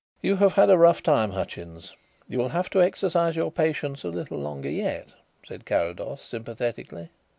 "You have had a rough time, Hutchins; you will have to exercise your patience a little longer yet," said Carrados sympathetically.